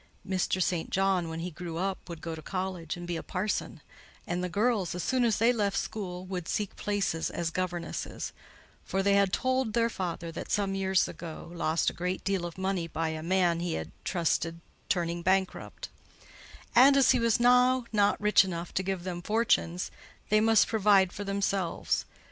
Mr. St. John, when he grew up, would go to college and be a parson; and the girls, as soon as they left school, would seek places as governesses: for they had told her their father had some years ago lost a great deal of money by a man he had trusted turning bankrupt; and as he was now not rich enough to give them fortunes, they must provide for themselves.